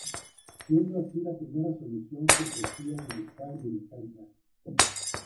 Siendo así la primera solución que ofrecía dibujar y editar imágenes.